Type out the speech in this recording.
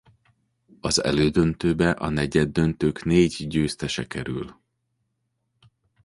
Az elődöntőbe a negyeddöntők négy győztese kerül.